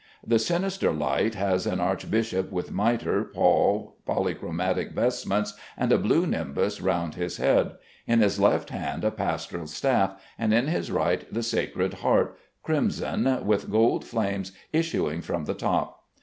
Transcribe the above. The sinister light has an archbishop with mitre, pall, polychromatic vestments, and a blue nimbus round his head; in his left hand a pastoral staff, and in his right the Sacred Heart, crimson, with gold flames issuing from the top.